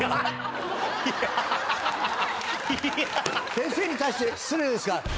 先生に対して失礼ですが。